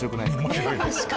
面白い。